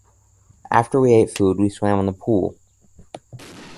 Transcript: After we ate food, we swam in the pool.